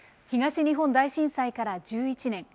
東日本大震災から１１年。